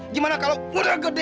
gimana kalau udah gede